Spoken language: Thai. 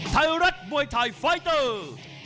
ไทยรัฐมวยไทยไฟเตอร์